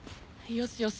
よしよし。